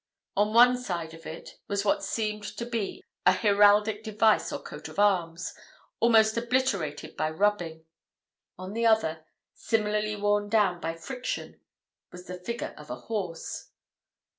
On one side of it was what seemed to be a heraldic device or coat of arms, almost obliterated by rubbing; on the other, similarly worn down by friction, was the figure of a horse.